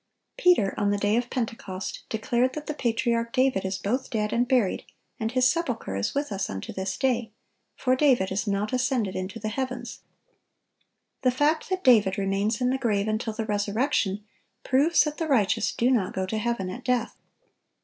(965) Peter, on the day of Pentecost, declared that the patriarch David "is both dead and buried, and his sepulcher is with us unto this day." "For David is not ascended into the heavens."(966) The fact that David remains in the grave until the resurrection, proves that the righteous do not go to heaven at death.